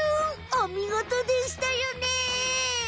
おみごとでしたよね。